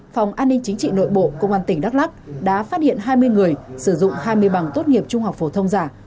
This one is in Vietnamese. phòng an ninh chính trị nội bộ công an tỉnh đắk lắc đã phát hiện hai mươi người sử dụng hai mươi bằng tốt nghiệp trung học phổ thông giả